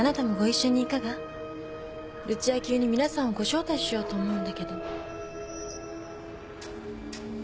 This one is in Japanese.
ルチア宮に皆さんをご招待しようと思うんだけど。